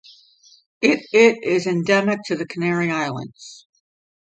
It It is endemic to the Canary Islands.